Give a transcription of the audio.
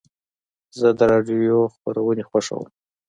زه د راډیو خپرونې خوښوم.